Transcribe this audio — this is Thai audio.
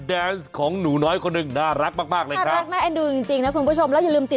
เอาล่ะก็นึกมาแล้วนึกมาแล้ว